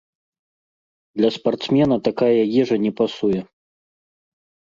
Для спартсмена такая ежа не пасуе.